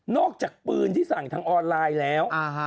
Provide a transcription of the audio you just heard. อกจากปืนที่สั่งทางออนไลน์แล้ว